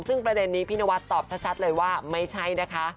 ซึ่งประเด็นนี้พี่นวัดตอบชัดเลยว่าไม่ใช่นะคะ